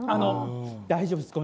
大丈夫です。